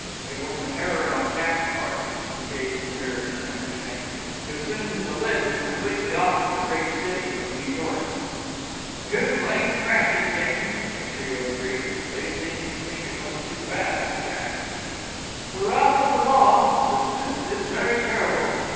It was an error on Jack's part, he gave his hearers to understand, to assume that the lid was completely off the great city of New York. "Too blamed fresh he's gettin'," the trio agreed. They seemed to think it was too bad of Jack. "The wrath of the Law," said Smith, "is very terrible.